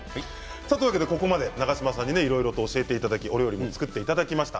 ここまで長島さんにいろいろと教えていただいてお料理も作っていただきました。